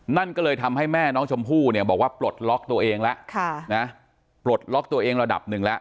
นั่นก็เลยทำให้แม่น้องชมพู่เนี่ยบอกว่าปลดล็อกตัวเองแล้วปลดล็อกตัวเองระดับหนึ่งแล้ว